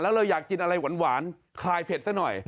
แล้วเลยอยากกินอะไรหวานคลายเผ็ดซะหน่อย